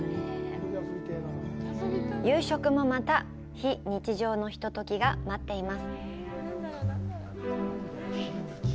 夕食もまた非日常のひとときが待っています。